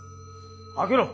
開けろ。